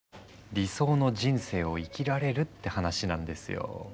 理想の人生を生きられるって話なんですよ。